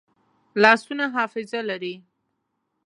لاسونه حافظه لري